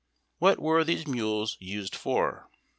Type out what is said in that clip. What were these mules used for